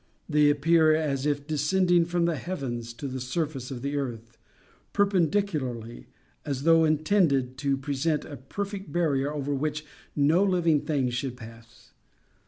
They appear as if descending from the heavens to the surface of the earth, perpendicularly, as though intended to present a perfect barrier over which no living thing should pass.